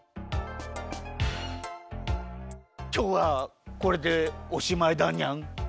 きょうはこれでおしまいだにゃん。